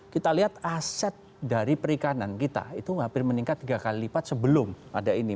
kita lihat aset dari perikanan kita itu hampir meningkat tiga kali lipat sebelum ada ini